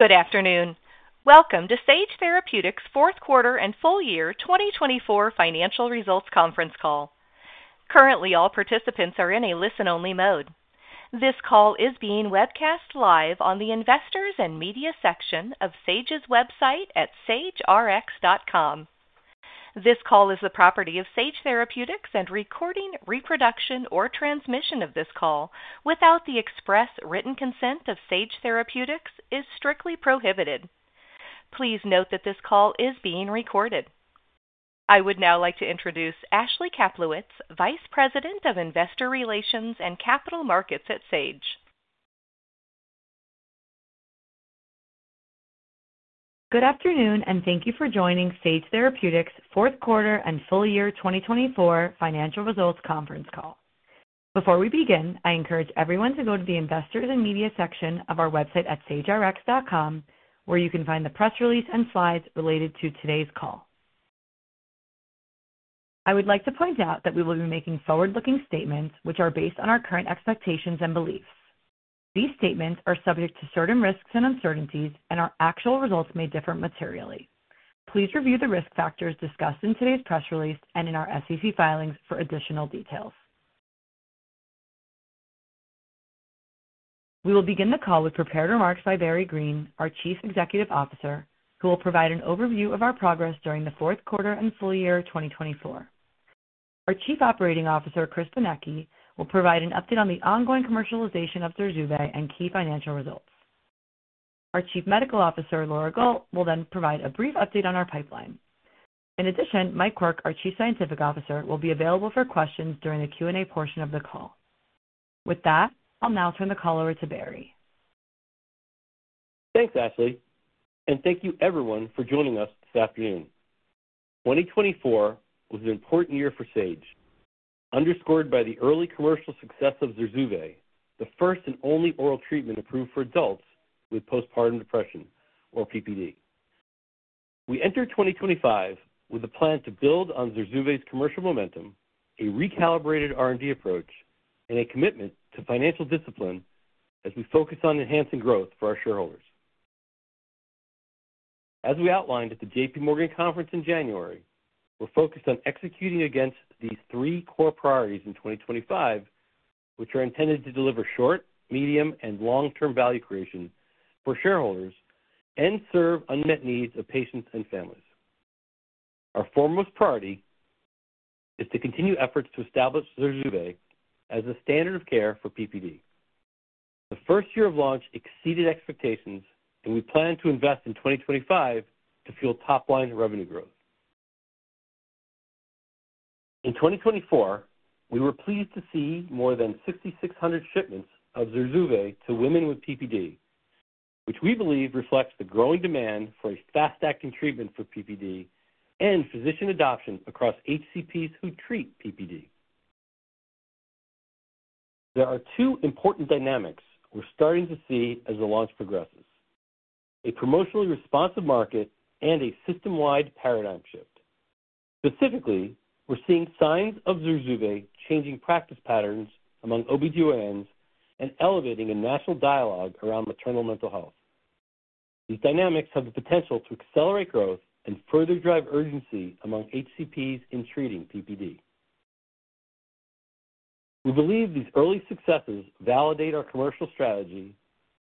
Good afternoon. Welcome to Sage Therapeutics' fourth quarter and full year 2024 financial results conference call. Currently, all participants are in a listen-only mode. This call is being webcast live on the investors' and media section of Sage's website at sagerx.com. This call is the property of Sage Therapeutics, and recording, reproduction, or transmission of this call without the express written consent of Sage Therapeutics is strictly prohibited. Please note that this call is being recorded. I would now like to introduce Ashley Kaplowitz, Vice President of Investor Relations and Capital Markets at Sage. Good afternoon, and thank you for joining Sage Therapeutics' fourth quarter and full year 2024 financial results conference call. Before we begin, I encourage everyone to go to the investors' and media section of our website at sagerx.com, where you can find the press release and slides related to today's call. I would like to point out that we will be making forward-looking statements which are based on our current expectations and beliefs. These statements are subject to certain risks and uncertainties, and our actual results may differ materially. Please review the risk factors discussed in today's press release and in our SEC filings for additional details. We will begin the call with prepared remarks by Barry Greene, our Chief Executive Officer, who will provide an overview of our progress during the fourth quarter and full year 2024. Our Chief Operating Officer, Chris Benecchi, will provide an update on the ongoing commercialization of Zurzuvae and key financial results. Our Chief Medical Officer, Laura Gault, will then provide a brief update on our pipeline. In addition, Mike Quirk, our Chief Scientific Officer, will be available for questions during the Q&A portion of the call. With that, I'll now turn the call over to Barry. Thanks, Ashley, and thank you everyone for joining us this afternoon. 2024 was an important year for Sage, underscored by the early commercial success of Zurzuvae, the first and only oral treatment approved for adults with postpartum depression, or PPD. We enter 2025 with a plan to build on Zurzuvae's commercial momentum, a recalibrated R&D approach, and a commitment to financial discipline as we focus on enhancing growth for our shareholders. As we outlined at the J.P. Morgan Conference in January, we're focused on executing against these three core priorities in 2025, which are intended to deliver short, medium, and long-term value creation for shareholders and serve unmet needs of patients and families. Our foremost priority is to continue efforts to establish Zurzuvae as a standard of care for PPD. The first year of launch exceeded expectations, and we plan to invest in 2025 to fuel top-line revenue growth. In 2024, we were pleased to see more than 6,600 shipments of Zurzuvae to women with PPD, which we believe reflects the growing demand for a fast-acting treatment for PPD and physician adoption across HCPs who treat PPD. There are two important dynamics we're starting to see as the launch progresses: a promotionally responsive market and a system-wide paradigm shift. Specifically, we're seeing signs of Zurzuvae changing practice patterns among OB-GYNs and elevating a national dialogue around maternal mental health. These dynamics have the potential to accelerate growth and further drive urgency among HCPs in treating PPD. We believe these early successes validate our commercial strategy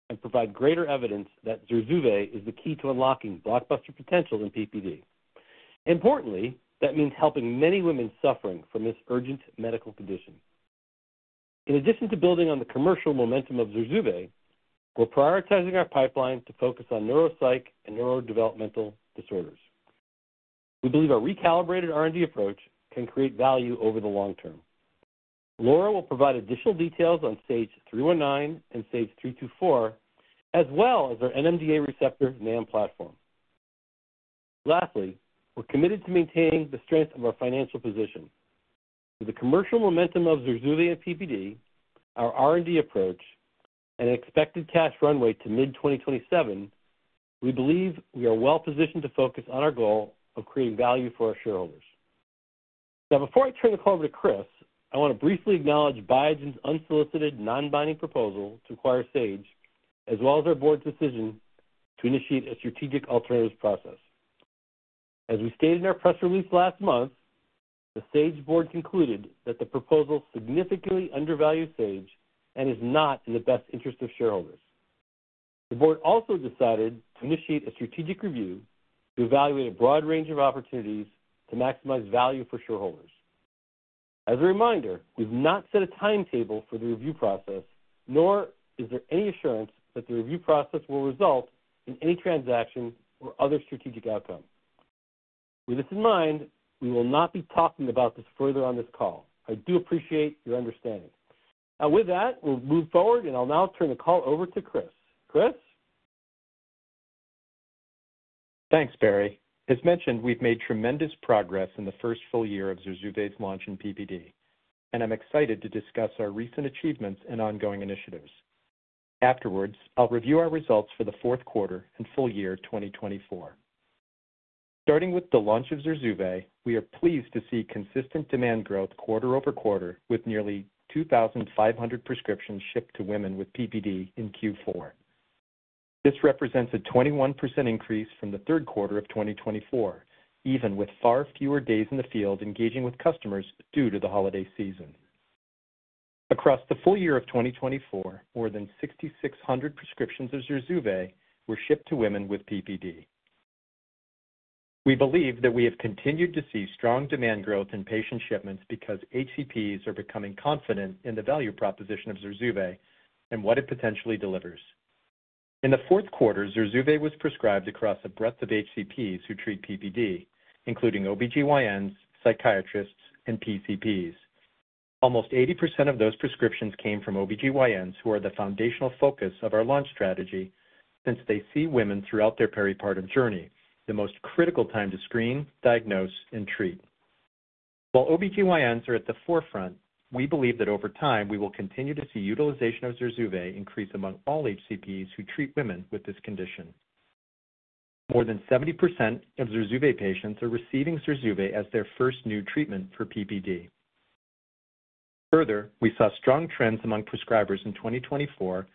and provide greater evidence that Zurzuvae is the key to unlocking blockbuster potential in PPD. Importantly, that means helping many women suffering from this urgent medical condition. In addition to building on the commercial momentum of Zurzuvae, we're prioritizing our pipeline to focus on neuropsych and neurodevelopmental disorders. We believe our recalibrated R&D approach can create value over the long term. Laura will provide additional details on SAGE-319 and SAGE-324, as well as our NMDA receptor NAM platform. Lastly, we're committed to maintaining the strength of our financial position. With the commercial momentum of Zurzuvae and PPD, our R&D approach, and an expected cash runway to mid-2027, we believe we are well-positioned to focus on our goal of creating value for our shareholders. Now, before I turn the call over to Chris, I want to briefly acknowledge Biogen's unsolicited non-binding proposal to acquire Sage, as well as our board's decision to initiate a strategic alternatives process. As we stated in our press release last month, the Sage board concluded that the proposal significantly undervalues Sage and is not in the best interest of shareholders. The board also decided to initiate a strategic review to evaluate a broad range of opportunities to maximize value for shareholders. As a reminder, we've not set a timetable for the review process, nor is there any assurance that the review process will result in any transaction or other strategic outcome. With this in mind, we will not be talking about this further on this call. I do appreciate your understanding. Now, with that, we'll move forward, and I'll now turn the call over to Chris. Chris? Thanks, Barry. As mentioned, we've made tremendous progress in the first full year of Zurzuvae's launch in PPD, and I'm excited to discuss our recent achievements and ongoing initiatives. Afterwards, I'll review our results for the fourth quarter and full year 2024. Starting with the launch of Zurzuvae, we are pleased to see consistent demand growth quarter-over-quarter, with nearly 2,500 prescriptions shipped to women with PPD in Q4. This represents a 21% increase from the third quarter of 2024, even with far fewer days in the field engaging with customers due to the holiday season. Across the full year of 2024, more than 6,600 prescriptions of Zurzuvae were shipped to women with PPD. We believe that we have continued to see strong demand growth in patient shipments because HCPs are becoming confident in the value proposition of Zurzuvae and what it potentially delivers. In the fourth quarter, Zurzuvae was prescribed across a breadth of HCPs who treat PPD, including OB-GYNs, psychiatrists, and PCPs. Almost 80% of those prescriptions came from OB-GYNs, who are the foundational focus of our launch strategy, since they see women throughout their peripartum journey, the most critical time to screen, diagnose, and treat. While OB-GYNs are at the forefront, we believe that over time we will continue to see utilization of Zurzuvae increase among all HCPs who treat women with this condition. More than 70% of Zurzuvae patients are receiving Zurzuvae as their first new treatment for PPD. Further, we saw strong trends among prescribers in 2024,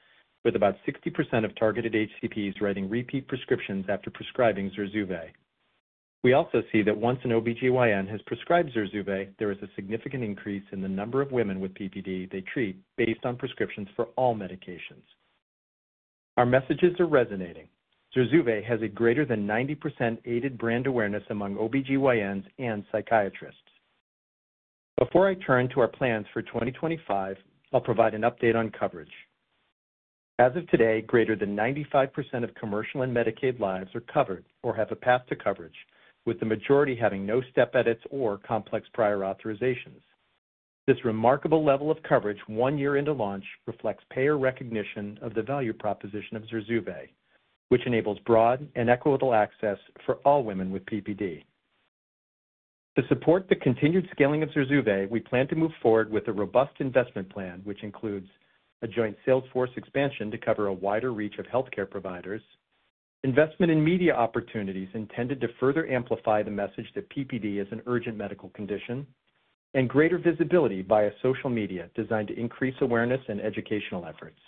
with about 60% of targeted HCPs writing repeat prescriptions after prescribing Zurzuvae. We also see that once an OB-GYN has prescribed Zurzuvae, there is a significant increase in the number of women with PPD they treat based on prescriptions for all medications. Our messages are resonating. Zurzuvae has a greater than 90% aided brand awareness among OB-GYNs and psychiatrists. Before I turn to our plans for 2025, I'll provide an update on coverage. As of today, greater than 95% of commercial and Medicaid lives are covered or have a path to coverage, with the majority having no step edits or complex prior authorizations. This remarkable level of coverage one year into launch reflects payer recognition of the value proposition of Zurzuvae, which enables broad and equitable access for all women with PPD. To support the continued scaling of Zurzuvae, we plan to move forward with a robust investment plan, which includes a joint sales force expansion to cover a wider reach of healthcare providers, investment in media opportunities intended to further amplify the message that PPD is an urgent medical condition, and greater visibility via social media designed to increase awareness and educational efforts.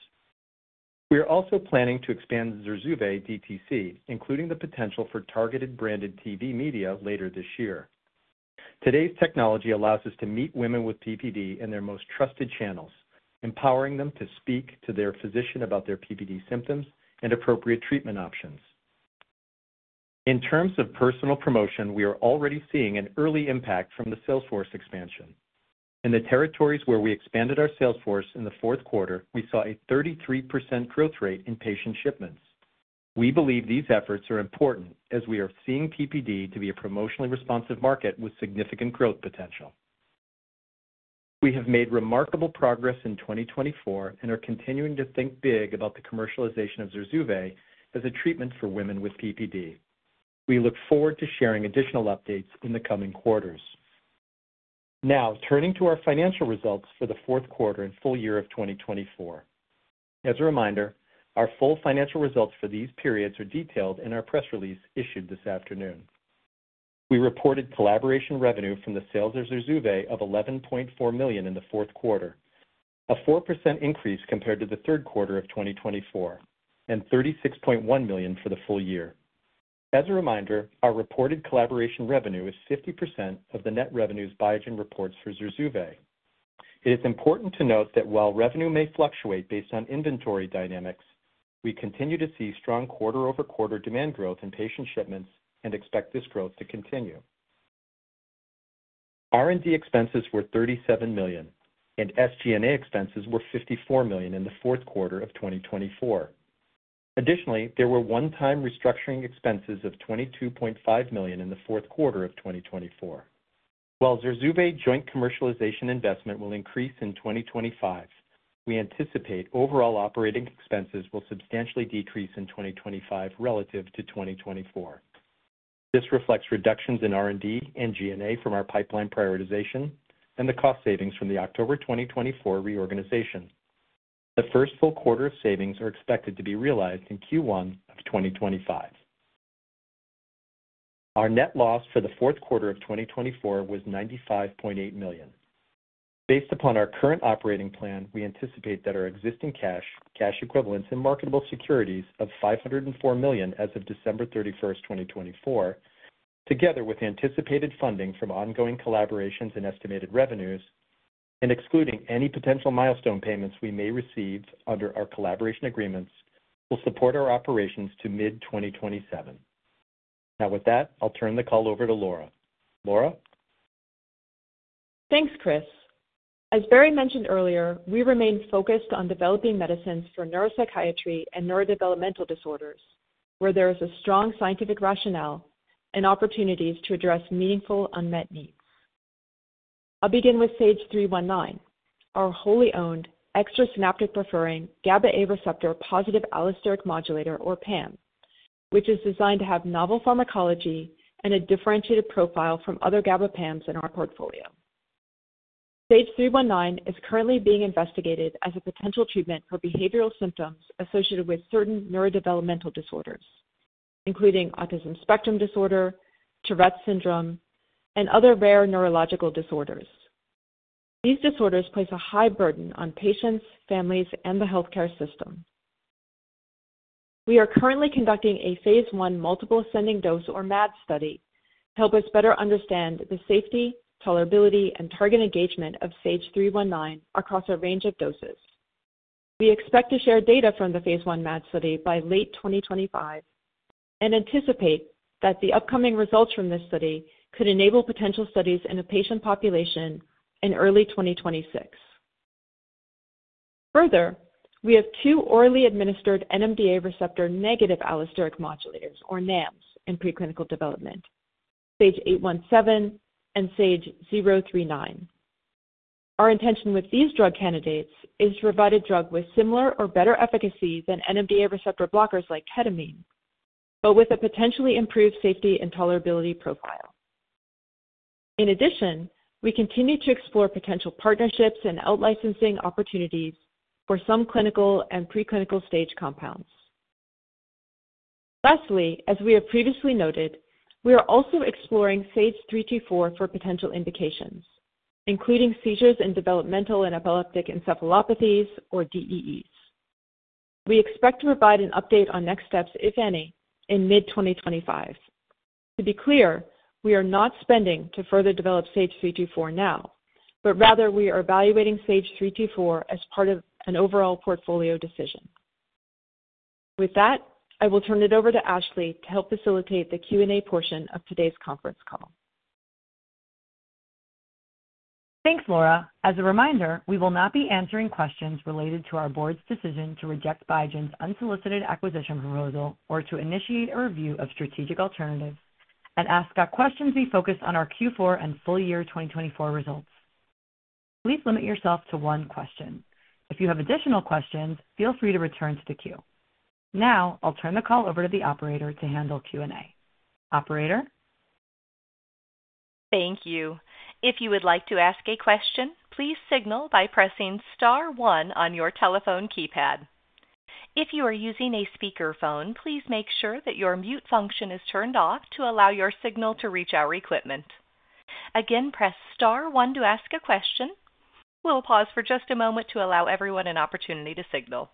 We are also planning to expand Zurzuvae DTC, including the potential for targeted branded TV media later this year. Today's technology allows us to meet women with PPD in their most trusted channels, empowering them to speak to their physician about their PPD symptoms and appropriate treatment options. In terms of personal promotion, we are already seeing an early impact from the sales force expansion. In the territories where we expanded our sales force in the fourth quarter, we saw a 33% growth rate in patient shipments. We believe these efforts are important as we are seeing PPD to be a promotionally responsive market with significant growth potential. We have made remarkable progress in 2024 and are continuing to think big about the commercialization of Zurzuvae as a treatment for women with PPD. We look forward to sharing additional updates in the coming quarters. Now, turning to our financial results for the fourth quarter and full year of 2024. As a reminder, our full financial results for these periods are detailed in our press release issued this afternoon. We reported collaboration revenue from the sales of Zurzuvae of $11.4 million in the fourth quarter, a 4% increase compared to the third quarter of 2024, and $36.1 million for the full year. As a reminder, our reported collaboration revenue is 50% of the net revenues Biogen reports for Zurzuvae. It is important to note that while revenue may fluctuate based on inventory dynamics, we continue to see strong quarter-over-quarter demand growth in patient shipments and expect this growth to continue. R&D expenses were $37 million, and SG&A expenses were $54 million in the fourth quarter of 2024. Additionally, there were one-time restructuring expenses of $22.5 million in the fourth quarter of 2024. While Zurzuvae joint commercialization investment will increase in 2025, we anticipate overall operating expenses will substantially decrease in 2025 relative to 2024. This reflects reductions in R&D and G&A from our pipeline prioritization and the cost savings from the October 2024 reorganization. The first full quarter of savings are expected to be realized in Q1 of 2025. Our net loss for the fourth quarter of 2024 was $95.8 million. Based upon our current operating plan, we anticipate that our existing cash, cash equivalents, and marketable securities of $504 million as of December 31st, 2024, together with anticipated funding from ongoing collaborations and estimated revenues, and excluding any potential milestone payments we may receive under our collaboration agreements, will support our operations to mid-2027. Now, with that, I'll turn the call over to Laura. Laura? Thanks, Chris. As Barry mentioned earlier, we remain focused on developing medicines for neuropsychiatry and neurodevelopmental disorders, where there is a strong scientific rationale and opportunities to address meaningful unmet needs. I'll begin with SAGE-319, our wholly owned extrasynaptic-preferring GABA(A) receptor positive allosteric modulator, or PAM, which is designed to have novel pharmacology and a differentiated profile from other GABA PAMs in our portfolio. SAGE-319 is currently being investigated as a potential treatment for behavioral symptoms associated with certain neurodevelopmental disorders, including autism spectrum disorder, Tourette Syndrome, and other rare neurological disorders. These disorders place a high burden on patients, families, and the healthcare system. We are currently conducting a Phase I multiple ascending dose, or MAD, study to help us better understand the safety, tolerability, and target engagement of SAGE-319 across a range of doses. We expect to share data from the Phase I MAD study by late 2025 and anticipate that the upcoming results from this study could enable potential studies in a patient population in early 2026. Further, we have two orally administered NMDA receptor negative allosteric modulators, or NAMs, in preclinical development: SAGE-817 and SAGE-039. Our intention with these drug candidates is to provide a drug with similar or better efficacy than NMDA receptor blockers like ketamine, but with a potentially improved safety and tolerability profile. In addition, we continue to explore potential partnerships and outlicensing opportunities for some clinical and preclinical stage compounds. Lastly, as we have previously noted, we are also exploring SAGE-324 for potential indications, including seizures and developmental and epileptic encephalopathies, or DEEs. We expect to provide an update on next steps, if any, in mid-2025. To be clear, we are not spending to further develop SAGE-324 now, but rather we are evaluating SAGE-324 as part of an overall portfolio decision. With that, I will turn it over to Ashley to help facilitate the Q&A portion of today's conference call. Thanks, Laura. As a reminder, we will not be answering questions related to our board's decision to reject Biogen's unsolicited acquisition proposal or to initiate a review of strategic alternatives, and ask that questions be focused on our Q4 and full year 2024 results. Please limit yourself to one question. If you have additional questions, feel free to return to the queue. Now, I'll turn the call over to the operator to handle Q&A. Operator? Thank you. If you would like to ask a question, please signal by pressing Star one on your telephone keypad. If you are using a speakerphone, please make sure that your mute function is turned off to allow your signal to reach our equipment. Again, press Star one to ask a question. We'll pause for just a moment to allow everyone an opportunity to signal.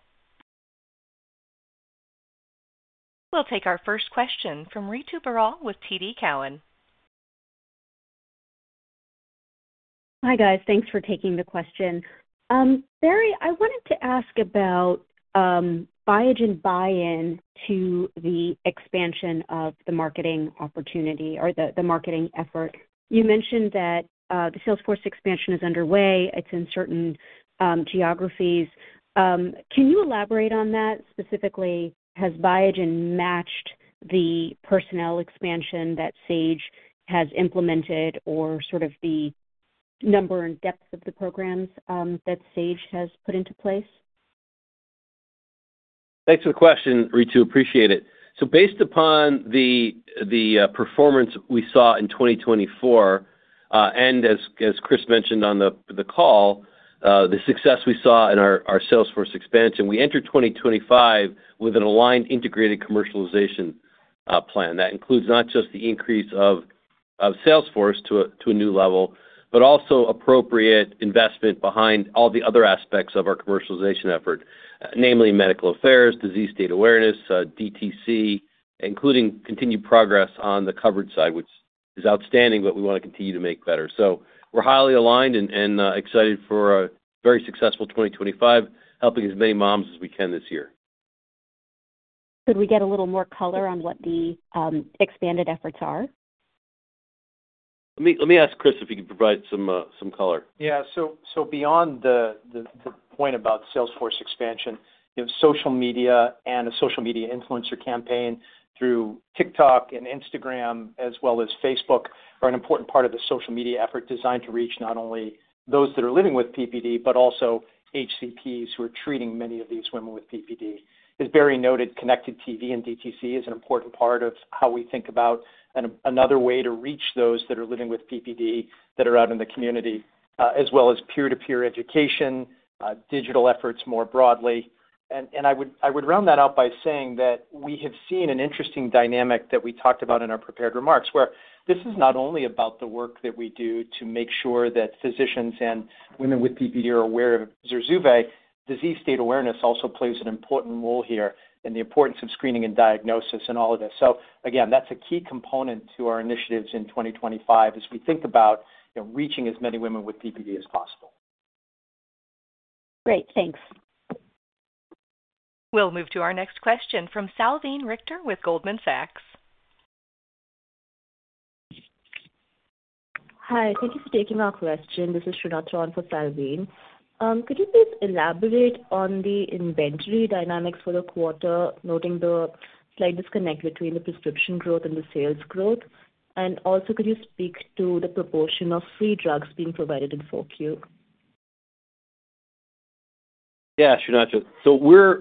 We'll take our first question from Ritu Baral with TD Cowen. Hi guys, thanks for taking the question. Barry, I wanted to ask about Biogen's buy-in to the expansion of the marketing opportunity or the marketing effort. You mentioned that the sales force expansion is underway. It's in certain geographies. Can you elaborate on that? Specifically, has Biogen matched the personnel expansion that Sage has implemented or sort of the number and depth of the programs that Sage has put into place? Thanks for the question, Ritu. Appreciate it. So based upon the performance we saw in 2024, and as Chris mentioned on the call, the success we saw in our sales force expansion, we entered 2025 with an aligned integrated commercialization plan. That includes not just the increase of sales force to a new level, but also appropriate investment behind all the other aspects of our commercialization effort, namely medical affairs, disease state awareness, DTC, including continued progress on the coverage side, which is outstanding, but we want to continue to make better. So we're highly aligned and excited for a very successful 2025, helping as many moms as we can this year. Could we get a little more color on what the expanded efforts are? Let me ask Chris if he can provide some color. Yeah. So beyond the point about sales force expansion, social media and a social media influencer campaign through TikTok and Instagram, as well as Facebook, are an important part of the social media effort designed to reach not only those that are living with PPD, but also HCPs who are treating many of these women with PPD. As Barry noted, connected TV and DTC is an important part of how we think about another way to reach those that are living with PPD that are out in the community, as well as peer-to-peer education, digital efforts more broadly. And I would round that out by saying that we have seen an interesting dynamic that we talked about in our prepared remarks, where this is not only about the work that we do to make sure that physicians and women with PPD are aware of Zurzuvae. Disease state awareness also plays an important role here in the importance of screening and diagnosis and all of this. So again, that's a key component to our initiatives in 2025 as we think about reaching as many women with PPD as possible. Great. Thanks. We'll move to our next question from Salveen Richter with Goldman Sachs. Hi. Thank you for taking my question. This is Sreenath for Salveen. Could you please elaborate on the inventory dynamics for the quarter, noting the slight disconnect between the prescription growth and the sales growth? And also, could you speak to the proportion of free drugs being provided in Q4? Yeah, Sreenath. So we're,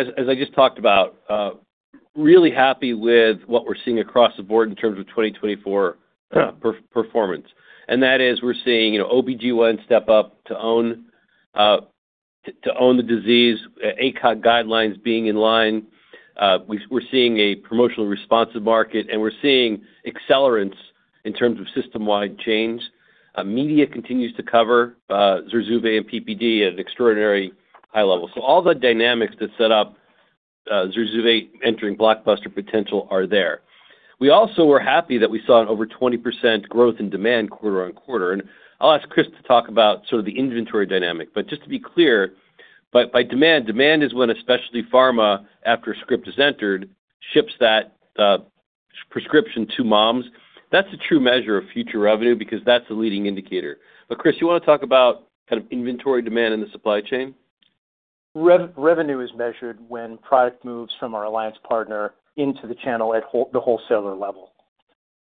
as I just talked about, really happy with what we're seeing across the board in terms of 2024 performance. And that is we're seeing OB-GYN step up to own the disease, ACOG guidelines being in line. We're seeing a promotionally responsive market, and we're seeing acceleration in terms of system-wide change. Media continues to cover Zurzuvae and PPD at an extraordinary high level. So all the dynamics that set up Zurzuvae entering blockbuster potential are there. We also were happy that we saw an over 20% growth in demand quarter-on-quarter. And I'll ask Chris to talk about sort of the inventory dynamic. But just to be clear, by demand, demand is when a specialty pharma, after a script is entered, ships that prescription to moms. That's a true measure of future revenue because that's a leading indicator. But Chris, you want to talk about kind of inventory demand in the supply chain? Revenue is measured when product moves from our alliance partner into the channel at the wholesaler level.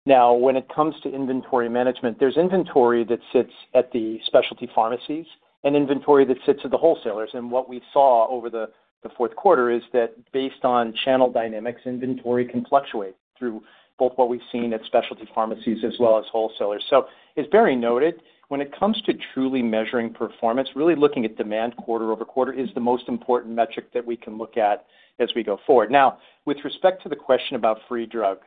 Now, when it comes to inventory management, there's inventory that sits at the specialty pharmacies and inventory that sits at the wholesalers, and what we saw over the fourth quarter is that based on channel dynamics, inventory can fluctuate through both what we've seen at specialty pharmacies as well as wholesalers, so as Barry noted, when it comes to truly measuring performance, really looking at demand quarter-over-quarter is the most important metric that we can look at as we go forward. Now, with respect to the question about free drug,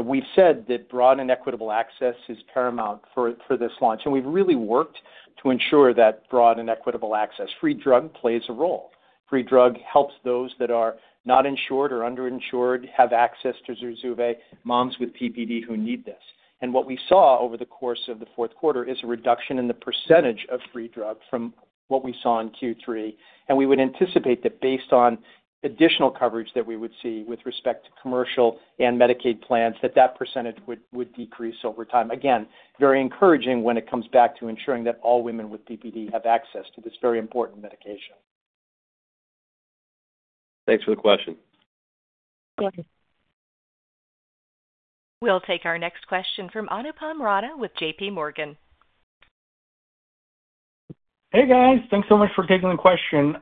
we've said that broad and equitable access is paramount for this launch, and we've really worked to ensure that broad and equitable access, free drug plays a role. Free drug helps those that are not insured or underinsured have access to Zurzuvae, moms with PPD who need this. And what we saw over the course of the fourth quarter is a reduction in the percentage of free drug from what we saw in Q3. And we would anticipate that based on additional coverage that we would see with respect to commercial and Medicaid plans, that that percentage would decrease over time. Again, very encouraging when it comes back to ensuring that all women with PPD have access to this very important medication. Thanks for the question. Thank you. We'll take our next question from Anupam Rama with J.P. Morgan. Hey, guys. Thanks so much for taking the question.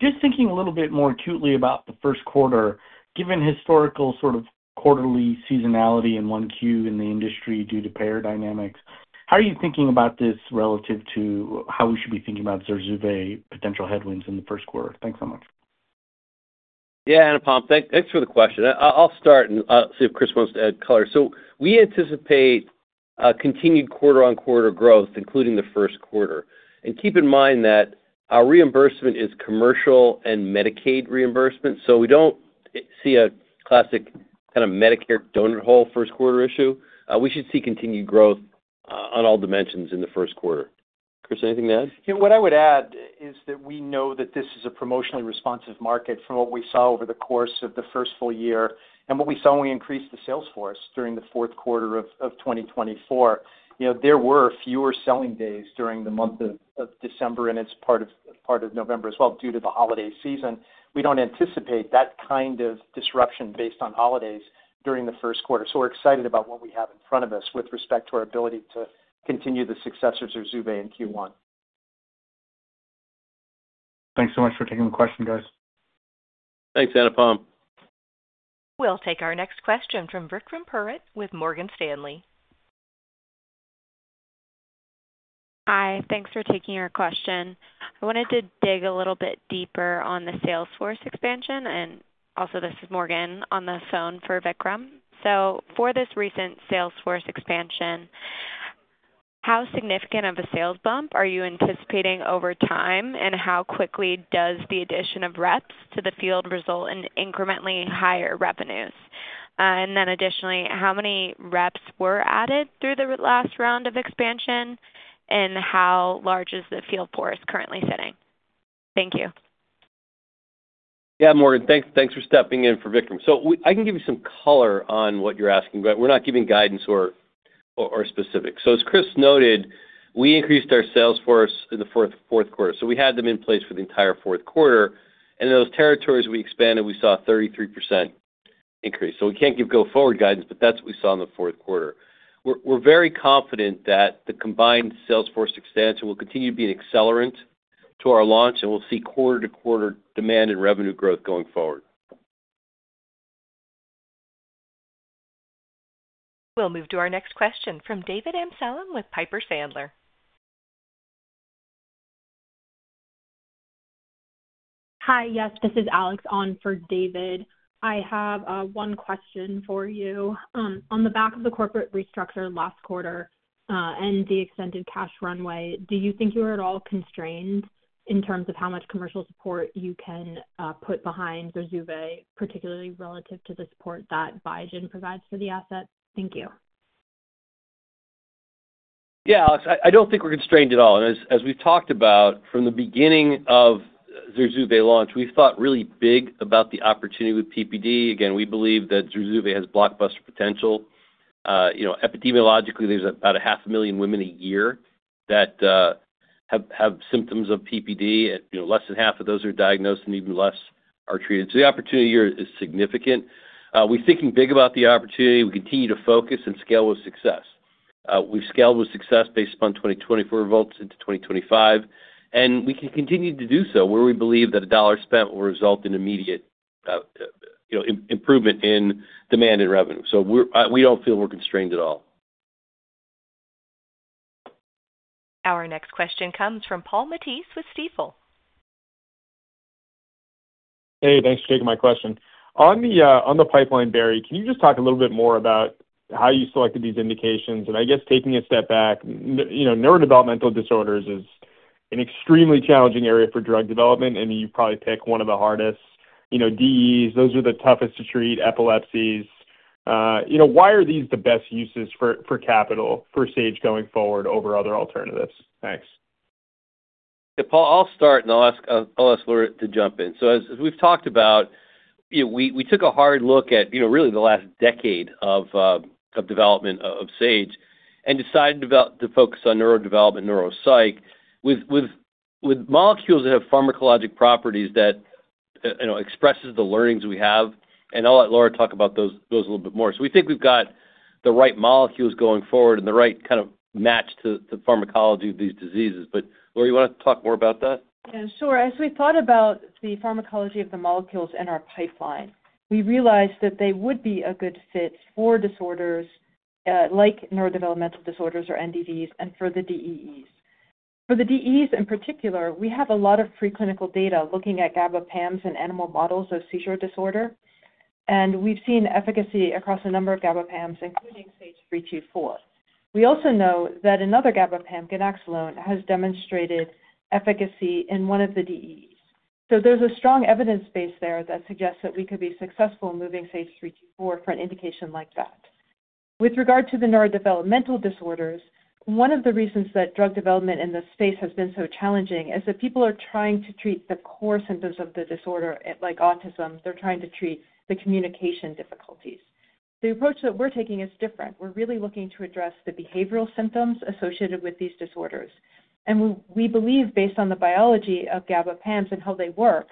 Just thinking a little bit more acutely about the first quarter, given historical sort of quarterly seasonality in Q1 in the industry due to payer dynamics, how are you thinking about this relative to how we should be thinking about Zurzuvae potential headwinds in the first quarter? Thanks so much. Yeah, Anupam, thanks for the question. I'll start and see if Chris wants to add color. So we anticipate continued quarter-on-quarter growth, including the first quarter. And keep in mind that our reimbursement is commercial and Medicaid reimbursement, so we don't see a classic kind of Medicare donut hole first quarter issue. We should see continued growth on all dimensions in the first quarter. Chris, anything to add? Yeah, what I would add is that we know that this is a promotionally responsive market from what we saw over the course of the first full year and what we saw when we increased the sales force during the fourth quarter of 2024. There were fewer selling days during the month of December, and it's part of November as well due to the holiday season. We don't anticipate that kind of disruption based on holidays during the first quarter. So we're excited about what we have in front of us with respect to our ability to continue the success of Zurzuvae in Q1. Thanks so much for taking the question, guys. Thanks, Anupam. We'll take our next question from Vikram Purohit with Morgan Stanley. Hi. Thanks for taking your question. I wanted to dig a little bit deeper on the sales force expansion, and also this is Morgan on the phone for Vikram, so for this recent sales force expansion, how significant of a sales bump are you anticipating over time, and how quickly does the addition of reps to the field result in incrementally higher revenues, and then additionally, how many reps were added through the last round of expansion, and how large is the field force currently sitting? Thank you. Yeah, Morgan, thanks for stepping in for Vikram. So I can give you some color on what you're asking, but we're not giving guidance or specifics. So as Chris noted, we increased our sales force in the fourth quarter. So we had them in place for the entire fourth quarter. And in those territories we expanded, we saw a 33% increase. So we can't give go forward guidance, but that's what we saw in the fourth quarter. We're very confident that the combined sales force expansion will continue to be an accelerant to our launch, and we'll see quarter to quarter demand and revenue growth going forward. We'll move to our next question from David Amsellem with Piper Sandler. Hi, yes, this is Alex on for David. I have one question for you. On the back of the corporate restructure last quarter and the extended cash runway, do you think you are at all constrained in terms of how much commercial support you can put behind Zurzuvae, particularly relative to the support that Biogen provides for the assets? Thank you. Yeah, Alex, I don't think we're constrained at all. And as we've talked about from the beginning of Zurzuvae launch, we thought really big about the opportunity with PPD. Again, we believe that Zurzuvae has blockbuster potential. Epidemiologically, there's about 500,000 women a year that have symptoms of PPD. Less than half of those are diagnosed and even less are treated. So the opportunity here is significant. We're thinking big about the opportunity. We continue to focus and scale with success. We've scaled with success based upon 2024 results into 2025, and we can continue to do so where we believe that a dollar spent will result in immediate improvement in demand and revenue. So we don't feel we're constrained at all. Our next question comes from Paul Matteis with Stifel. Hey, thanks for taking my question. On the pipeline, Barry, can you just talk a little bit more about how you selected these indications? And I guess taking a step back, neurodevelopmental disorders is an extremely challenging area for drug development, and you probably pick one of the hardest. DEEs, those are the toughest to treat. Epilepsies, why are these the best uses for capital for Sage going forward over other alternatives? Thanks. Yeah, Paul, I'll start, and I'll ask Laura to jump in. So as we've talked about, we took a hard look at really the last decade of development of Sage and decided to focus on neurodevelopment, neuropsych, with molecules that have pharmacologic properties that express the learnings we have. And I'll let Laura talk about those a little bit more. So we think we've got the right molecules going forward and the right kind of match to the pharmacology of these diseases. But Laura, you want to talk more about that? Yeah, sure. As we thought about the pharmacology of the molecules in our pipeline, we realized that they would be a good fit for disorders like neurodevelopmental disorders or NDDs and for the DEEs. For the DEEs in particular, we have a lot of preclinical data looking at GABA PAMs and animal models of seizure disorder. And we've seen efficacy across a number of GABA PAMs, including SAGE-324. We also know that another GABA PAM, ganaxolone, has demonstrated efficacy in one of the DEEs. So there's a strong evidence base there that suggests that we could be successful in moving SAGE-324 for an indication like that. With regard to the neurodevelopmental disorders, one of the reasons that drug development in this space has been so challenging is that people are trying to treat the core symptoms of the disorder, like autism. They're trying to treat the communication difficulties. The approach that we're taking is different. We're really looking to address the behavioral symptoms associated with these disorders. And we believe, based on the biology of GABA PAMs and how they work,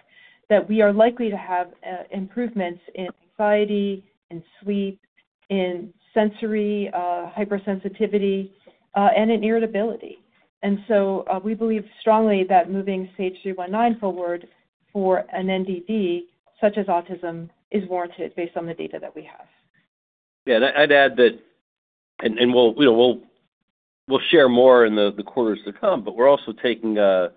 that we are likely to have improvements in anxiety, in sleep, in sensory hypersensitivity, and in irritability. And so we believe strongly that moving SAGE-319 forward for an NDD such as autism is warranted based on the data that we have. Yeah, I'd add that, and we'll share more in the quarters to come, but we're also taking a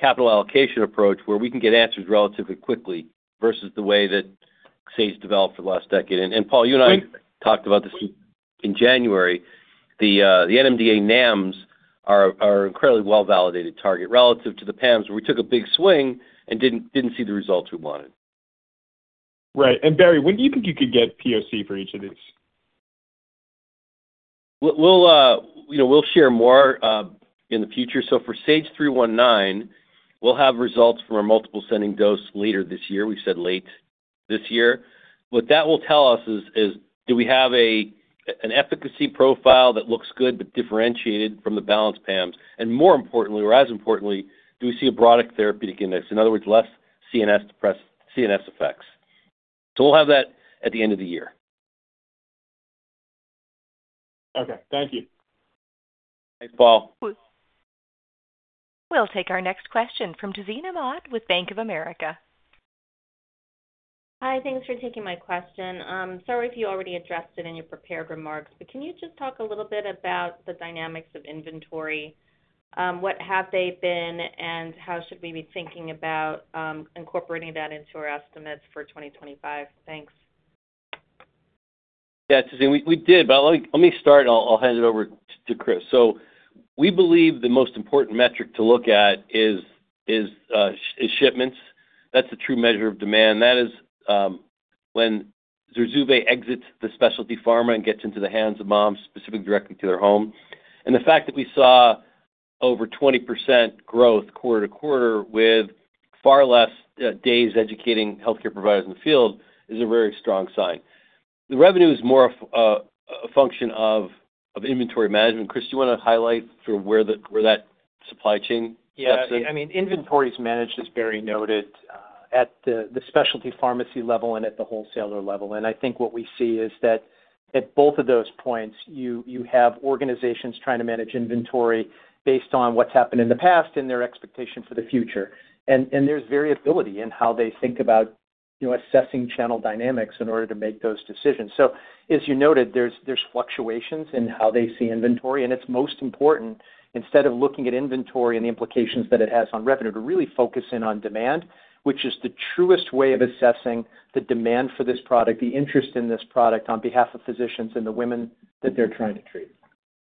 capital allocation approach where we can get answers relatively quickly versus the way that Sage developed for the last decade. And Paul, you and I talked about this in January. The NMDA NAMs are an incredibly well-validated target relative to the PAMs where we took a big swing and didn't see the results we wanted. Right. And Barry, when do you think you could get POC for each of these? We'll share more in the future. So for SAGE-319, we'll have results from our multiple ascending dose later this year. We said late this year. What that will tell us is, do we have an efficacy profile that looks good but differentiated from the balanced PAMs? And more importantly, or as importantly, do we see a broader therapeutic index? In other words, less CNS effects. So we'll have that at the end of the year. Okay. Thank you. Thanks, Paul. We'll take our next question from Tazeen Ahmad with Bank of America. Hi, thanks for taking my question. Sorry if you already addressed it in your prepared remarks, but can you just talk a little bit about the dynamics of inventory? What have they been, and how should we be thinking about incorporating that into our estimates for 2025? Thanks. Yeah, Tazeen, we did. But let me start, and I'll hand it over to Chris. So we believe the most important metric to look at is shipments. That's the true measure of demand. That is when Zurzuvae exits the specialty pharma and gets into the hands of moms specifically directly to their home. And the fact that we saw over 20% growth quarter to quarter with far less days educating healthcare providers in the field is a very strong sign. The revenue is more a function of inventory management. Chris, do you want to highlight sort of where that supply chain steps in? Yea0h, I mean, inventory is managed, as Barry noted, at the specialty pharmacy level and at the wholesaler level. And I think what we see is that at both of those points, you have organizations trying to manage inventory based on what's happened in the past and their expectation for the future. And there's variability in how they think about assessing channel dynamics in order to make those decisions. So as you noted, there's fluctuations in how they see inventory. And it's most important, instead of looking at inventory and the implications that it has on revenue, to really focus in on demand, which is the truest way of assessing the demand for this product, the interest in this product on behalf of physicians and the women that they're trying to treat.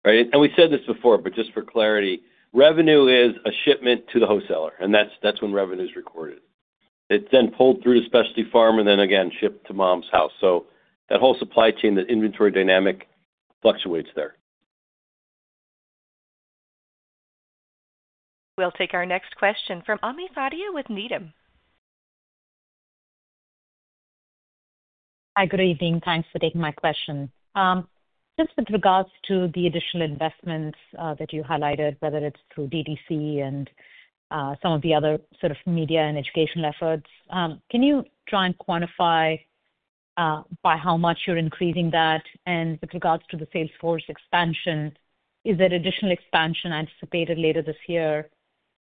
Right. And we said this before, but just for clarity, revenue is a shipment to the wholesaler, and that's when revenue is recorded. It's then pulled through to specialty pharma and then, again, shipped to mom's house. So that whole supply chain, that inventory dynamic fluctuates there. We'll take our next question from Ami Fadia with Needham. Hi, good evening. Thanks for taking my question. Just with regards to the additional investments that you highlighted, whether it's through DTC and some of the other sort of media and educational efforts, can you try and quantify by how much you're increasing that? And with regards to the sales force expansion, is there additional expansion anticipated later this year?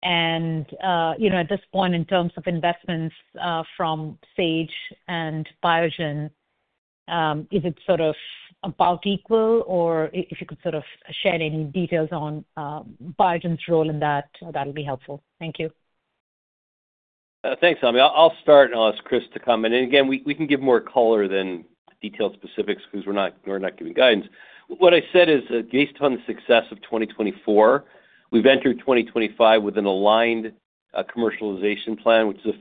And at this point, in terms of investments from Sage and Biogen, is it sort of about equal? Or if you could sort of share any details on Biogen's role in that, that would be helpful. Thank you. Thanks, Ami. I'll start and I'll ask Chris to come. And again, we can give more color than detailed specifics because we're not giving guidance. What I said is that based on the success of 2024, we've entered 2025 with an aligned commercialization plan, which is a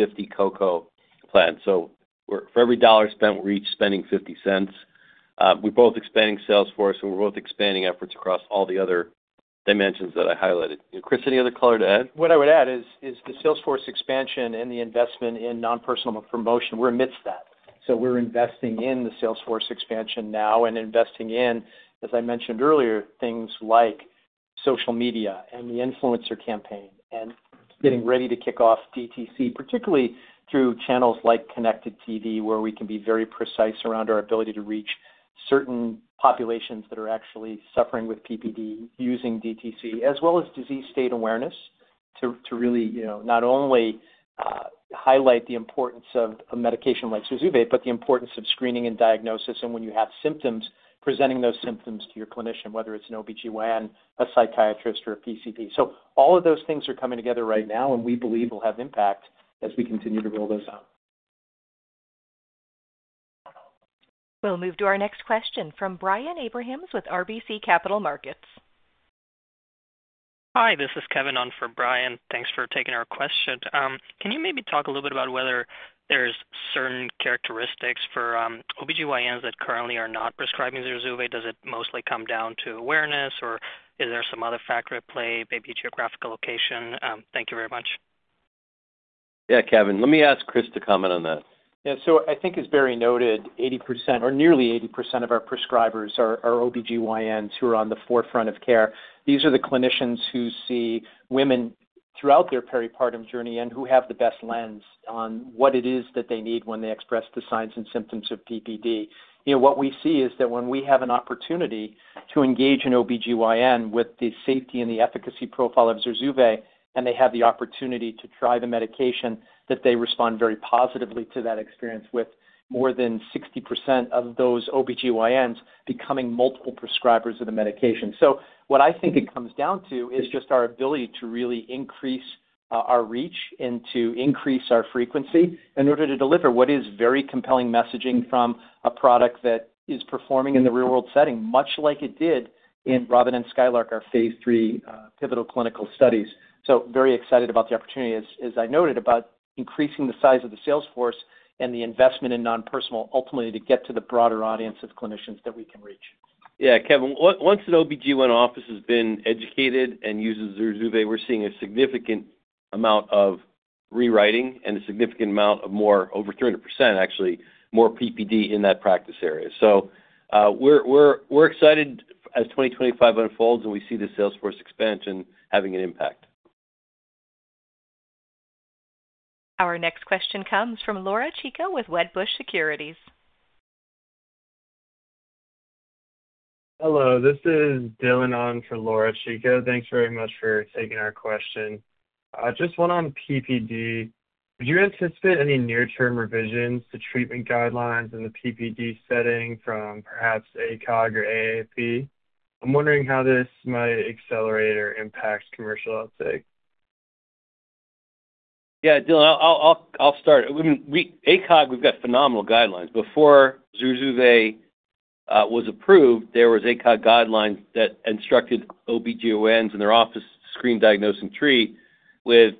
50/50 co-co plan. So for every $1 spent, we're each spending $0.50. We're both expanding sales force, and we're both expanding efforts across all the other dimensions that I highlighted. Chris, any other color to add? What I would add is the sales force expansion and the investment in non-personal promotion. We're amidst that. So we're investing in the sales force expansion now and investing in, as I mentioned earlier, things like social media and the influencer campaign and getting ready to kick off DTC, particularly through channels like connected TV, where we can be very precise around our ability to reach certain populations that are actually suffering with PPD using DTC, as well as disease state awareness to really not only highlight the importance of a medication like Zurzuvae, but the importance of screening and diagnosis and when you have symptoms, presenting those symptoms to your clinician, whether it's an OB-GYN, a psychiatrist, or a PCP. So all of those things are coming together right now, and we believe we'll have impact as we continue to roll those out. We'll move to our next question from Brian Abrahams with RBC Capital Markets. Hi, this is Kevin on for Brian. Thanks for taking our question. Can you maybe talk a little bit about whether there's certain characteristics for OB-GYNs that currently are not prescribing Zurzuvae? Does it mostly come down to awareness, or is there some other factor at play, maybe geographical location? Thank you very much. Yeah, Kevin, let me ask Chris to comment on that. Yeah, so I think as Barry noted, 80% or nearly 80% of our prescribers are OB-GYNs who are on the forefront of care. These are the clinicians who see women throughout their peripartum journey and who have the best lens on what it is that they need when they express the signs and symptoms of PPD. What we see is that when we have an opportunity to engage an OB-GYN with the safety and the efficacy profile of Zurzuvae, and they have the opportunity to try the medication, that they respond very positively to that experience with more than 60% of those OB-GYNs becoming multiple prescribers of the medication. So what I think it comes down to is just our ability to really increase our reach and to increase our frequency in order to deliver what is very compelling messaging from a product that is performing in the real-world setting, much like it did in ROBIN and SKYLARK, our Phase III pivotal clinical studies. Very excited about the opportunity, as I noted, about increasing the size of the sales force and the investment in non-personal, ultimately to get to the broader audience of clinicians that we can reach. Yeah, Kevin, once an OB-GYN office has been educated and uses Zurzuvae, we're seeing a significant amount of rewriting and a significant amount of more, over 300% actually, more PPD in that practice area. We're excited as 2025 unfolds and we see the sales force expansion having an impact. Our next question comes from Laura Chico with Wedbush Securities. Hello, this is Dylan on for Laura Chico. Thanks very much for taking our question. Just one on PPD. Would you anticipate any near-term revisions to treatment guidelines in the PPD setting from perhaps ACOG or AAP? I'm wondering how this might accelerate or impact commercial uptake. Yeah, Dylan, I'll start. ACOG, we've got phenomenal guidelines. Before Zurzuvae was approved, there were ACOG guidelines that instructed OB-GYNs and their office to screen, diagnose, and treat with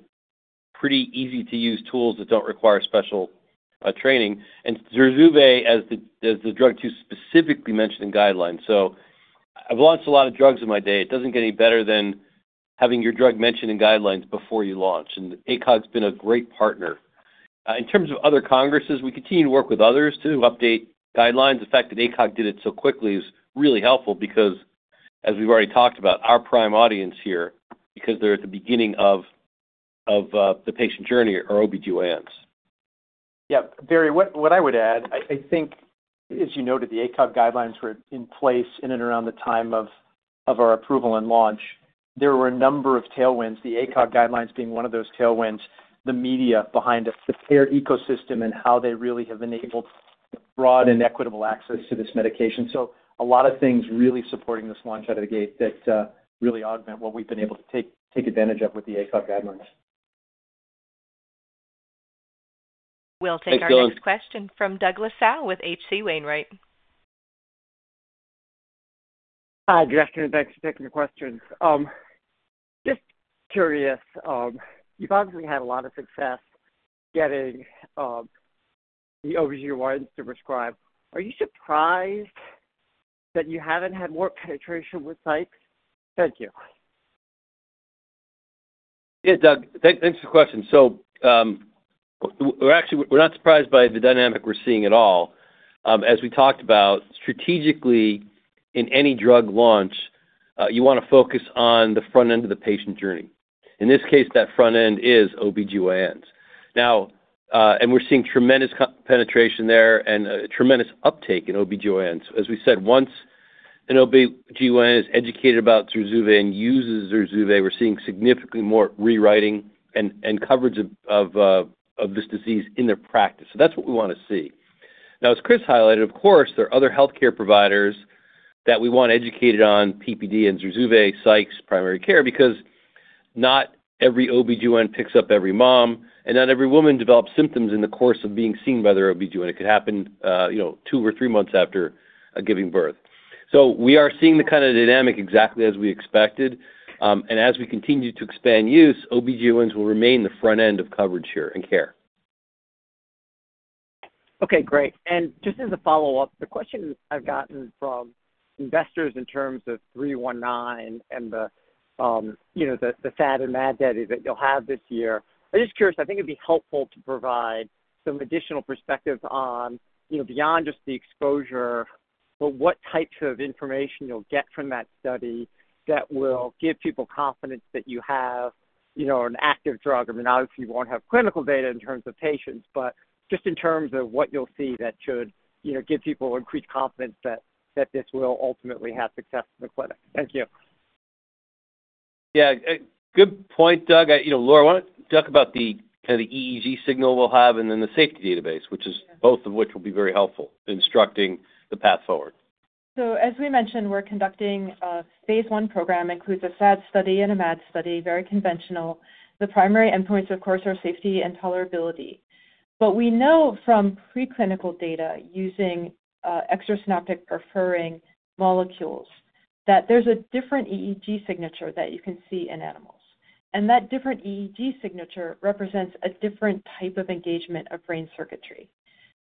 pretty easy-to-use tools that don't require special training. And Zurzuvae as the drug to specifically mention in guidelines. So I've launched a lot of drugs in my day. It doesn't get any better than having your drug mentioned in guidelines before you launch. And ACOG's been a great partner. In terms of other congresses, we continue to work with others to update guidelines. The fact that ACOG did it so quickly is really helpful because, as we've already talked about, our prime audience here because they're at the beginning of the patient journey are OB-GYNs. Yeah, Barry, what I would add, I think, as you noted, the ACOG guidelines were in place in and around the time of our approval and launch. There were a number of tailwinds, the ACOG guidelines being one of those tailwinds, the media behind a prepared ecosystem and how they really have enabled broad and equitable access to this medication. So a lot of things really supporting this launch out of the gate that really augment what we've been able to take advantage of with the ACOG guidelines. We'll take our next question from Douglas Tsao with H.C. Wainwright. Hi, good afternoon. Thanks for taking the question. Just curious, you've obviously had a lot of success getting the OB-GYNs to prescribe. Are you surprised that you haven't had more penetration with PCPs? Thank you. Yeah, Doug, thanks for the question. So we're not surprised by the dynamic we're seeing at all. As we talked about, strategically, in any drug launch, you want to focus on the front end of the patient journey. In this case, that front end is OB-GYNs. And we're seeing tremendous penetration there and tremendous uptake in OB-GYNs. As we said, once an OB-GYN is educated about Zurzuvae and uses Zurzuvae, we're seeing significantly more rewritting and coverage of this disease in their practice. So that's what we want to see. Now, as Chris highlighted, of course, there are other healthcare providers that we want educated on PPD and Zurzuvae, psychs, primary care, because not every OB-GYN picks up every mom, and not every woman develops symptoms in the course of being seen by their OB-GYN. It could happen two or three months after giving birth. So we are seeing the kind of dynamic exactly as we expected. And as we continue to expand use, OB-GYNs will remain the front end of coverage here and care. Okay, great. And just as a follow-up, the question I've gotten from investors in terms of 319 and the SAD and MAD data that you'll have this year, I'm just curious. I think it'd be helpful to provide some additional perspective on beyond just the exposure, but what types of information you'll get from that study that will give people confidence that you have an active drug. I mean, obviously, you won't have clinical data in terms of patients, but just in terms of what you'll see that should give people increased confidence that this will ultimately have success in the clinic. Thank you. Yeah, good point, Doug. Laura, why don't you talk about the kind of EEG signal we'll have and then the safety database, both of which will be very helpful in instructing the path forward. So as we mentioned, we're conducting a Phase I program. It includes a SAD study and a MAD study, very conventional. The primary endpoints, of course, are safety and tolerability. But we know from preclinical data using extrasynaptic-preferring molecules that there's a different EEG signature that you can see in animals. And that different EEG signature represents a different type of engagement of brain circuitry.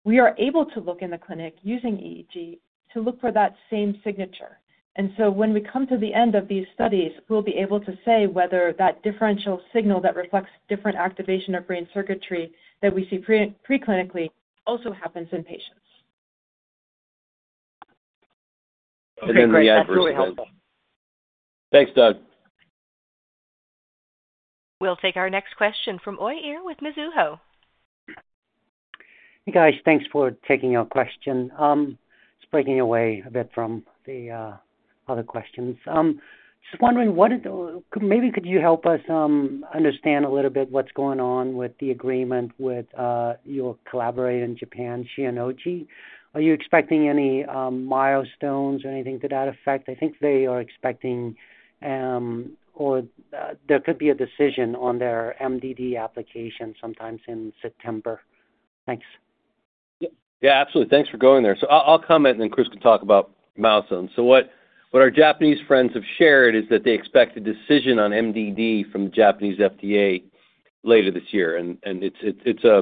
We are able to look in the clinic using EEG to look for that same signature. And so when we come to the end of these studies, we'll be able to say whether that differential signal that reflects different activation of brain circuitry that we see preclinically also happens in patients. That's really helpful. Thanks, Doug. We'll take our next question from Uy Ear with Mizuho. Hey, guys. Thanks for taking your question. It's breaking away a bit from the other questions. Just wondering, maybe could you help us understand a little bit what's going on with the agreement with your collaborator in Japan, Shionogi. Are you expecting any milestones or anything to that effect? I think they are expecting or there could be a decision on their MDD application sometime in September. Thanks. Yeah, absolutely. Thanks for going there. So I'll comment, and then Chris can talk about milestones. So what our Japanese friends have shared is that they expect a decision on MDD from the Japanese FDA later this year. And it's an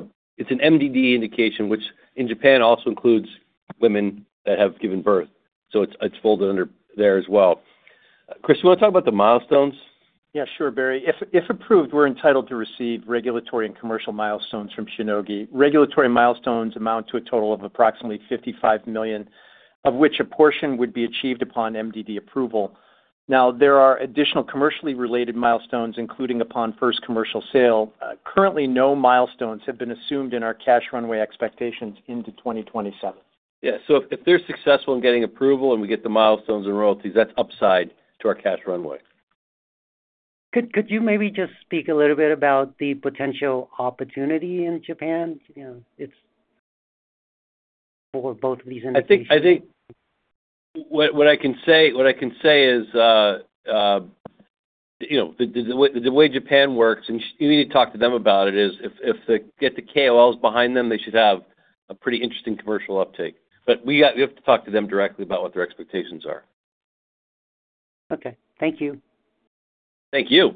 MDD indication, which in Japan also includes women that have given birth. So it's folded under there as well. Chris, do you want to talk about the milestones? Yeah, sure, Barry. If approved, we're entitled to receive regulatory and commercial milestones from Shionogi. Regulatory milestones amount to a total of approximately $55 million, of which a portion would be achieved upon MDD approval. Now, there are additional commercially related milestones, including upon first commercial sale. Currently, no milestones have been assumed in our cash runway expectations into 2027. Yeah, so if they're successful in getting approval and we get the milestones and royalties, that's upside to our cash runway. Could you maybe just speak a little bit about the potential opportunity in Japan for both of these indications? I think what I can say is the way Japan works, and you need to talk to them about it, is if they get the KOLs behind them, they should have a pretty interesting commercial uptake. But we have to talk to them directly about what their expectations are. Okay, thank you. Thank you.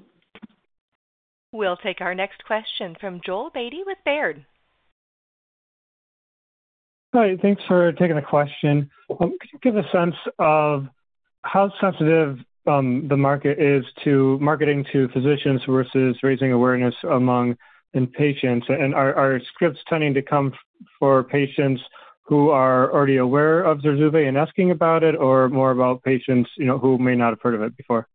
We'll take our next question from Joel Beatty with Baird. Hi, thanks for taking the question. Could you give a sense of how sensitive the market is to marketing to physicians versus raising awareness among patients? And are scripts tending to come for patients who are already aware of Zurzuvae and asking about it, or more about patients who may not have heard of it before?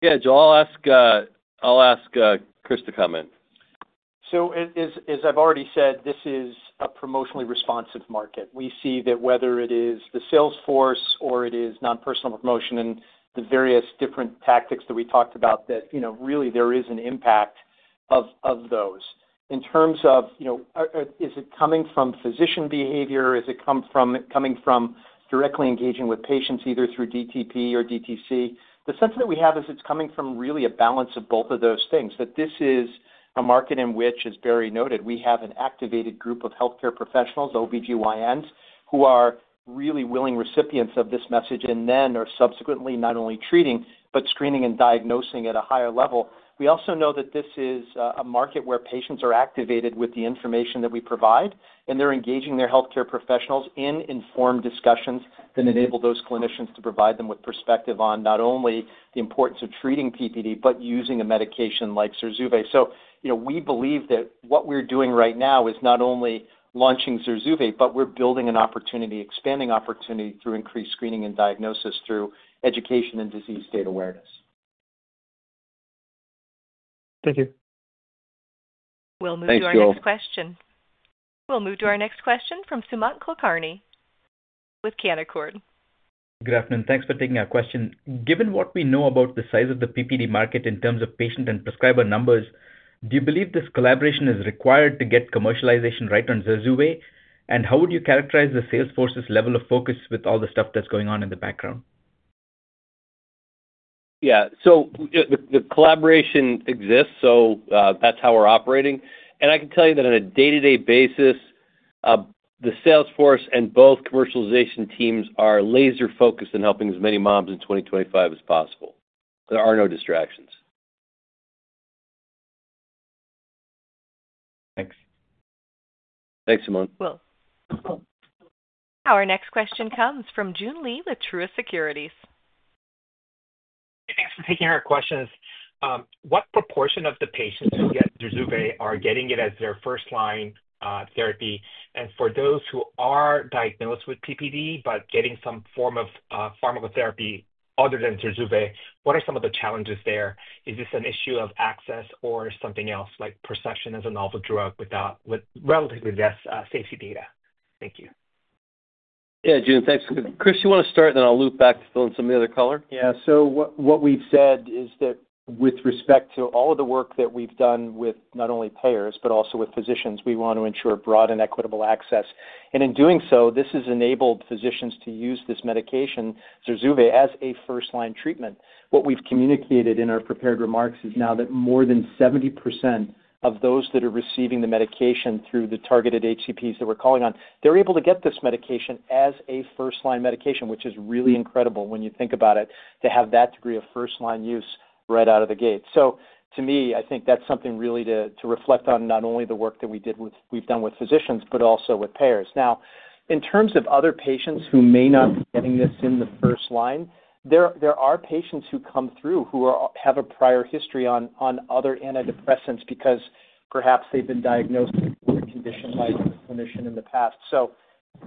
Yeah, so I'll ask Chris to comment. So as I've already said, this is a promotionally responsive market. We see that whether it is the sales force or it is non-personal promotion and the various different tactics that we talked about, that really there is an impact of those. In terms of is it coming from physician behavior? Is it coming from directly engaging with patients either through DTP or DTC? The sense that we have is it's coming from really a balance of both of those things, that this is a market in which, as Barry noted, we have an activated group of healthcare professionals, OB-GYNs, who are really willing recipients of this message and then are subsequently not only treating but screening and diagnosing at a higher level. We also know that this is a market where patients are activated with the information that we provide, and they're engaging their healthcare professionals in informed discussions that enable those clinicians to provide them with perspective on not only the importance of treating PPD, but using a medication like Zurzuvae. So we believe that what we're doing right now is not only launching Zurzuvae, but we're building an opportunity, expanding opportunity through increased screening and diagnosis through education and disease state awareness. Thank you. We'll move to our next question. We'll move to our next question from Sumant Kulkarni with Canaccord. Good afternoon. Thanks for taking our question. Given what we know about the size of the PPD market in terms of patient and prescriber numbers, do you believe this collaboration is required to get commercialization right on Zurzuvae? And how would you characterize the sales force's level of focus with all the stuff that's going on in the background? Yeah, so the collaboration exists. So that's how we're operating. And I can tell you that on a day-to-day basis, the sales force and both commercialization teams are laser-focused on helping as many moms in 2025 as possible. There are no distractions. Thanks. Thanks, Sumant. Our next question comes from Joon Lee with Truist Securities. Thanks for taking our questions. What proportion of the patients who get Zurzuvae are getting it as their first-line therapy? And for those who are diagnosed with PPD but getting some form of pharmacotherapy other than Zurzuvae, what are some of the challenges there? Is this an issue of access or something else, like perception as a novel drug with relatively less safety data? Thank you. Yeah, Joon, thanks. Chris, do you want to start, and then I'll loop back to fill in some of the other color? Yeah, so what we've said is that with respect to all of the work that we've done with not only payers, but also with physicians, we want to ensure broad and equitable access, and in doing so, this has enabled physicians to use this medication, Zurzuvae, as a first-line treatment. What we've communicated in our prepared remarks is now that more than 70% of those that are receiving the medication through the targeted HCPs that we're calling on, they're able to get this medication as a first-line medication, which is really incredible when you think about it, to have that degree of first-line use right out of the gate, so to me, I think that's something really to reflect on, not only the work that we've done with physicians, but also with payers. Now, in terms of other patients who may not be getting this in the first line, there are patients who come through who have a prior history on other antidepressants because perhaps they've been diagnosed with a condition by a clinician in the past. So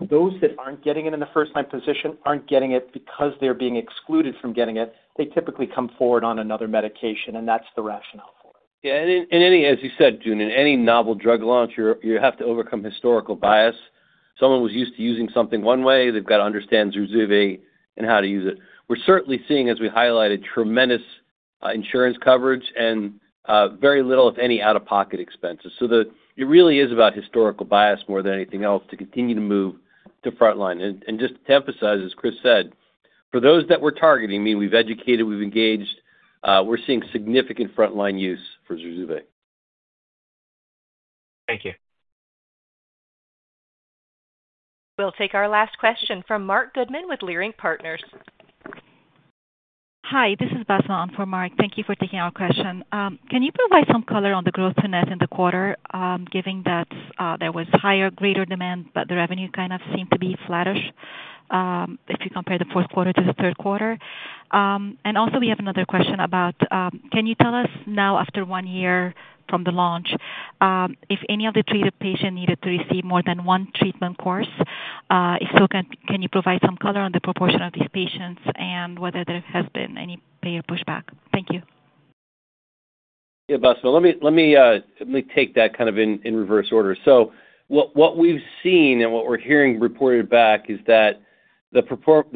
those that aren't getting it in the first-line position aren't getting it because they're being excluded from getting it. They typically come forward on another medication, and that's the rationale for it. Yeah, and as you said, June, in any novel drug launch, you have to overcome historical bias. Someone was used to using something one way. They've got to understand Zurzuvae and how to use it. We're certainly seeing, as we highlighted, tremendous insurance coverage and very little, if any, out-of-pocket expenses. So it really is about historical bias more than anything else to continue to move to front line. And just to emphasize, as Chris said, for those that we're targeting, I mean, we've educated, we've engaged, we're seeing significant front-line use for Zurzuvae. Thank you. We'll take our last question from Marc Goodman with Leerink Partners. Hi, this is Basma for Marc. Thank you for taking our question. Can you provide some color on the growth in the quarter, given that there was higher, greater demand, but the revenue kind of seemed to be flattish if you compare the fourth quarter to the third quarter? And also, we have another question about, can you tell us now, after one year from the launch, if any of the treated patients needed to receive more than one treatment course? If so, can you provide some color on the proportion of these patients and whether there has been any payer pushback? Thank you. Yeah, Basma, let me take that kind of in reverse order. So what we've seen and what we're hearing reported back is that the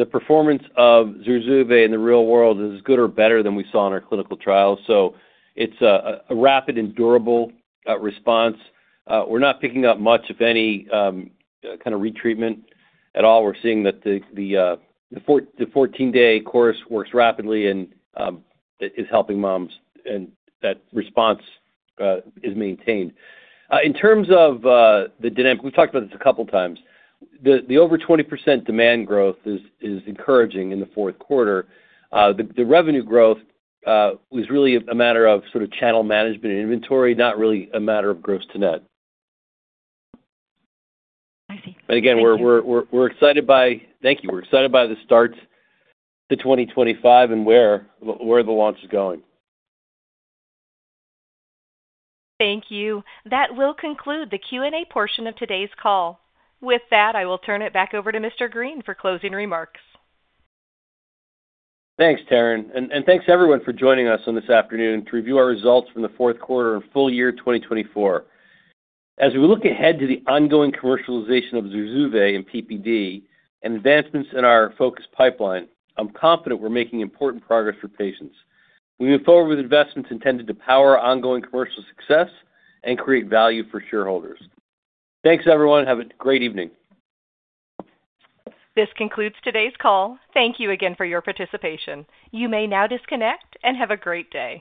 performance of Zurzuvae in the real world is good or better than we saw in our clinical trials. So it's a rapid and durable response. We're not picking up much, if any, kind of retreatment at all. We're seeing that the 14-day course works rapidly and is helping moms, and that response is maintained. In terms of the dynamic, we've talked about this a couple of times. The over 20% demand growth is encouraging in the fourth quarter. The revenue growth was really a matter of sort of channel management and inventory, not really a matter of gross-to-net. I see. We're excited by the start to 2025 and where the launch is going. Thank you. That will conclude the Q&A portion of today's call. With that, I will turn it back over to Mr. Greene for closing remarks. Thanks, Taryn. And thanks, everyone, for joining us on this afternoon to review our results from the fourth quarter and full year 2024. As we look ahead to the ongoing commercialization of Zurzuvae and PPD and advancements in our focus pipeline, I'm confident we're making important progress for patients. We move forward with investments intended to power ongoing commercial success and create value for shareholders. Thanks, everyone. Have a great evening. This concludes today's call. Thank you again for your participation. You may now disconnect and have a great day.